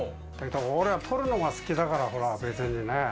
俺は取るのが好きだから、ほら、別にね。